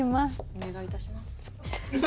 お願いいたします。